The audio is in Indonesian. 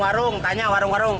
sering ke warung warung